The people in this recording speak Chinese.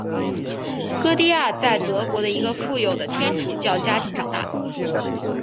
歌地亚在德国的一个富有的天主教家庭长大。